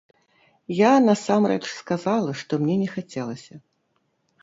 Я насамрэч сказала, што мне не хацелася.